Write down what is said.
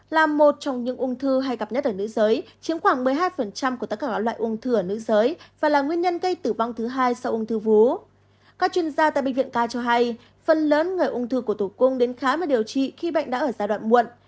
các chuyên gia tại bệnh viện k cho hay phần lớn người ung thư của tổ cung đến khám và điều trị khi bệnh đã ở giai đoạn muộn